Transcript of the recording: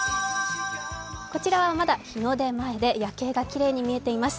こちらはまだ日の出前で夜景がきれいに見えています。